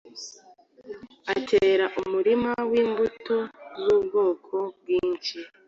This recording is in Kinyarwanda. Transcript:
Atera umurima w’Imbuto z’ ubwoko bwinshi